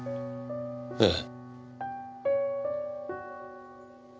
ええ。